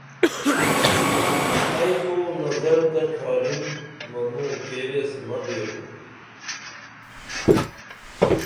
ائی تو نظر تہ ڇھارم منوں کیر ایس مہ بیبو